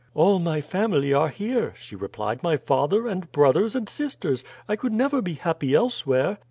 "All my family are here," she replied; "my father, and brothers, and sisters. I could never be happy elsewhere."